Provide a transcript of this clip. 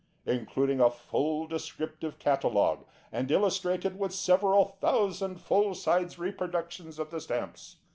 Including a full Descriptive Catalogue, and Illustrated with several thousand full sized reproductions of the Stamps.